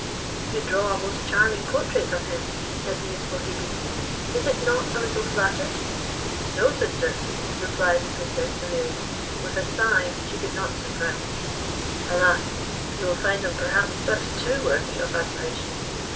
"You draw a most charming portrait of him," said the youthful Hebe; "is it not a little flattered?" "No, sister," replied the Princess Ilerie, with a sigh she could not suppress. "Alas! you will find him, perhaps, but too worthy of admiration."